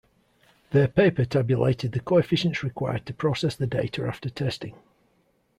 Their paper tabulated the coefficients required to process the data after testing.